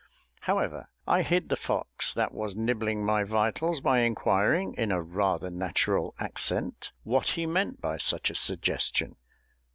However, I hid the fox that was nibbling my vitals by inquiring, in a rather natural accent, what he meant by such a suggestion.